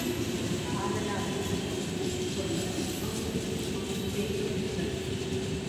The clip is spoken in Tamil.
ஆதலால் இன்சொல் கூறுபவர் இளமையும் இன்பமும் பேணி நிற்பர்.